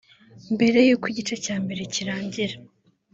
Mbere y’uko igice cya mbere kirangira